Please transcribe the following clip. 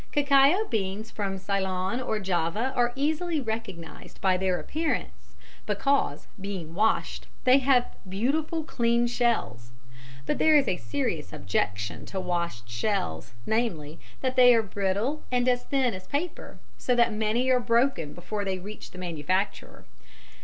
Cacao beans from Ceylon or Java are easily recognised by their appearance, because, being washed, they have beautiful clean shells, but there is a serious objection to washed shells, namely, that they are brittle and as thin as paper, so that many are broken before they reach the manufacturer.